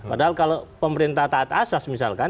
padahal kalau pemerintah taat asas misalkan